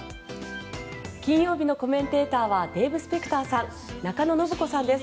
金曜日のコメンテーターはデーブ・スペクターさん中野信子さんです。